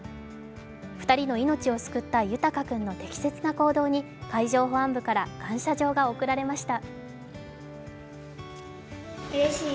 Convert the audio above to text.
２人の命を救った豊君の適切な行動に、海上保安部から感謝状が贈られました。